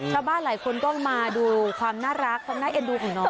ชาวบ้านหลายคนก็มาดูความน่ารักความน่าเอ็นดูของน้อง